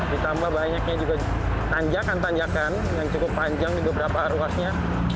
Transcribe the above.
ditambah banyaknya juga tanjakan tanjakan yang cukup panjang di beberapa ruasnya